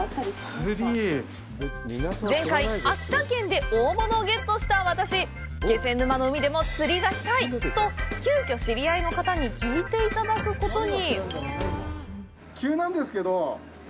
前回、秋田で大物をゲットした私、気仙沼の海でも釣りがしたい！と、急遽、知り合いの方に聞いていただくことに。